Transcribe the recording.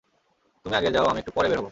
তুমি আগে যাও, আমি একটু পর বের হবো।